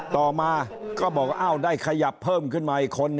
ต่อมาก็บอกว่าได้ขยับเพิ่มขึ้นมาอีกคน